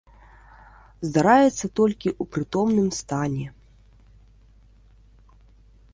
Здараецца толькі ў прытомным стане.